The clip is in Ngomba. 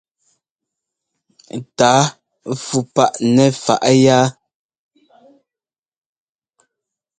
Tǎa fú paʼ nɛ faʼ yá.